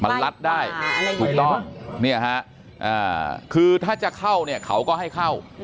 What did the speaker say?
มันลัดได้ถูกต้องเนี่ยฮะคือถ้าจะเข้าเนี่ยเขาก็ให้เข้า